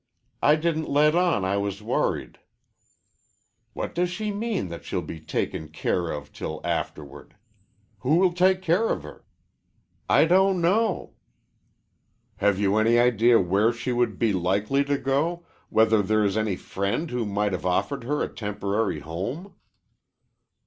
I didn't let on I was worried." "What does she mean that she'll be taken care of till afterward? Who'll take care of her?" "I don't know." "Have you any idea where she would be likely to go whether there is any friend who might have offered her a temporary home?"